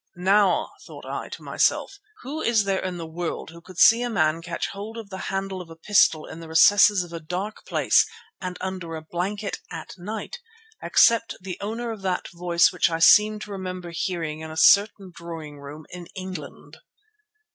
Now thought I to myself, who is there in the world who could see a man catch hold of the handle of a pistol in the recesses of a dark place and under a blanket at night, except the owner of that voice which I seemed to remember hearing in a certain drawing room in England?